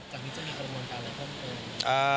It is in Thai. จากนี้จะมีความร่วมการอะไรข้อมูล